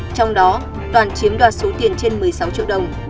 trong đó toàn chiếm đoạt số tiền trên một mươi sáu triệu đồng